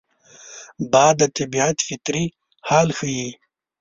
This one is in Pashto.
باد د طبیعت فطري حال ښيي